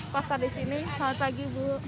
pasta di sini selamat pagi bu